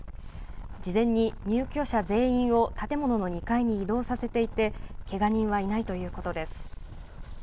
事前に入居者全員を建物の２階に移動させていてけが人はいないということです。